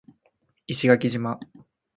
石垣島